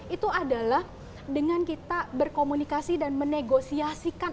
itu adalah dengan kita berkomunikasi dan menegosiasikan